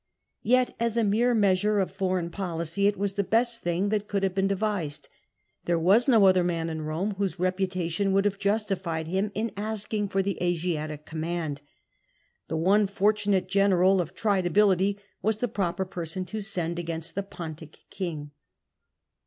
Yet, as a mere measure of foreign policy, it was the best thing that could have been devised. There was no other man in Rome whose reputation would have justified him in asking for the Asiatic command. The one fortunate general of tried ability was the proper person to send against the Pontic king.